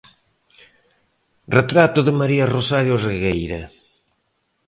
Retrato de María Rosario Regueira.